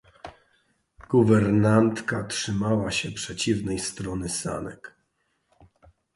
"Guwernantka trzymała się przeciwnej strony sanek."